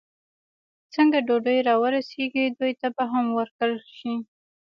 څنګه ډوډۍ را ورسېږي، دوی ته به هم ورکول شي.